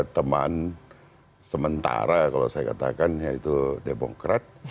teman sementara kalau saya katakan yaitu demokrat